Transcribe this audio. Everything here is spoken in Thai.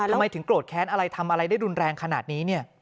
ทำไมถึงโกรธแค้นอะไรทำอะไรได้รุนแรงขนาดนี้เนี่ย